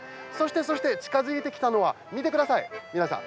そして、近づいてきたのは見てください、皆さん。